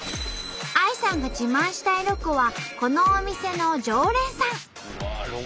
ＡＩさんが自慢したいロコはこのお店の常連さん！